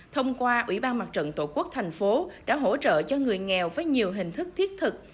thông qua ủy ban mặt trận tổ quốc thành phố đã hỗ trợ cho người nghèo với nhiều hình thức thiết thực